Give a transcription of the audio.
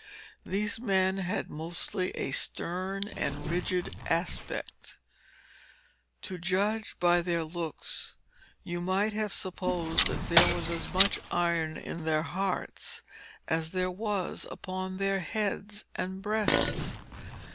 These men had mostly a stern and rigid aspect. To judge by their looks, you might have supposed that there was as much iron in their hearts, as there was upon their heads and breasts.